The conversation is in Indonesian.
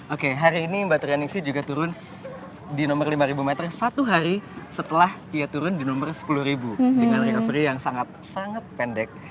oke hari ini mbak triya ningsi juga turun di nomor lima meter satu hari setelah dia turun di nomor sepuluh meter dengan reaksi yang sangat sangat pendek